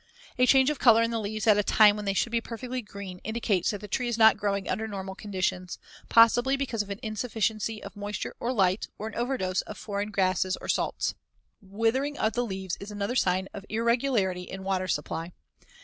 A change of color in the leaves at a time when they should be perfectly green indicates that the tree is not growing under normal conditions, possibly because of an insufficiency of moisture or light or an overdose of foreign gases or salts. Withering of the leaves is another sign of irregularity in water supply.